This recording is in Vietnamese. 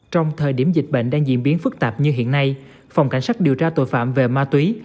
trong thời điểm dịch bệnh đang diễn biến phức tạp như hiện nay phòng cảnh sát điều tra tội phạm về ma túy